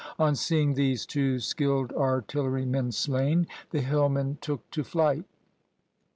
On seeing these two skilled artillerymen slain, the hillmen took to flight.